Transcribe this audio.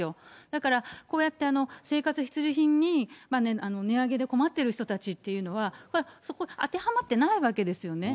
だから、こうやって生活必需品に値上げで困っている人たちっていうのは、そこ当てはまってないわけですよね。